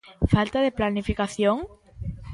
Falta de planificación?